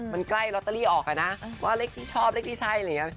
มันใกล้ลอตเตอรี่ออกอะนะว่าเลขที่ชอบเลขที่ใช่อะไรอย่างนี้